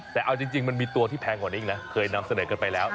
แต่เอาจริงมันมีตัวที่แพงกว่านี้อีกนะเคยนำเสนอกันไปแล้ว